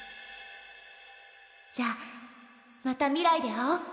じゃあまた未来で会おう！